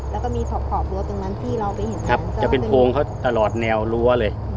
แล้วก็มีขอขอบรั้วตรงนั้นที่เราไปเห็นครับจะเป็นโพงเขาตลอดแนวรั้วเลย